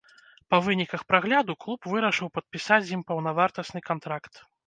Па выніках прагляду клуб вырашыў падпісаць з ім паўнавартасны кантракт.